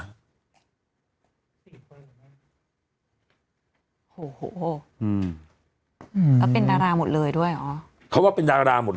โอ้โหอืมแล้วเป็นดาราหมดเลยด้วยเหรอเขาว่าเป็นดาราหมด